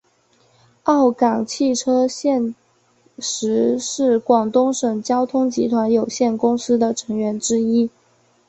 粤港汽车现时是广东省交通集团有限公司的成员之一。